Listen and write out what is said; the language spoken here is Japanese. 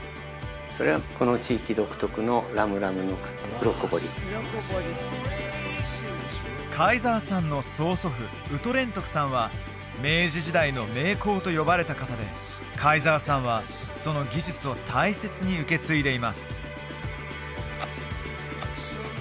それは貝澤さんの曽祖父ウトレントクさんは明治時代の名工と呼ばれた方で貝澤さんはその技術を大切に受け継いでいます